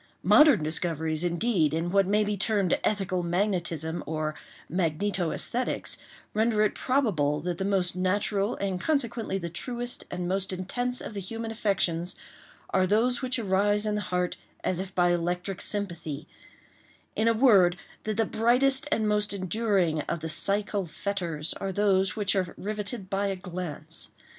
Modern discoveries, indeed, in what may be termed ethical magnetism or magnetoesthetics, render it probable that the most natural, and, consequently, the truest and most intense of the human affections are those which arise in the heart as if by electric sympathy—in a word, that the brightest and most enduring of the psychal fetters are those which are riveted by a glance.